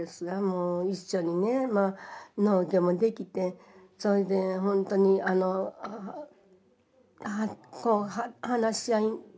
一緒にね農業もできてそれでほんとにあのこう話し合い。